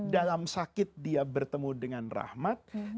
dalam sakit dia bertemu dengan rahmat